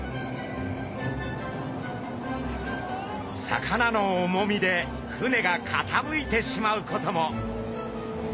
魚の重みで船がかたむいてしまうことも。